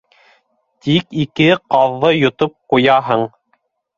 Тик ике ҡаҙҙы йотоп ҡуяһың